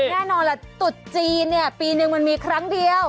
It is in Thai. แน่นอนล่ะตุ๊ดจีนเนี่ยปีนึงมันมีครั้งเดียว